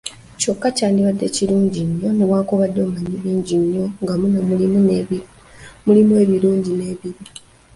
Kyokka kyandibadde kirungi nnyo newankubadde omanyi bingi nnyo nga muno mulimu ebirungi n’ebibi.,